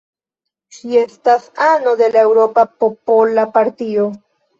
Ŝi estas ano de la Eŭropa Popola Partio.